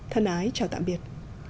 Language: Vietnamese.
thân ái chào tạm biệt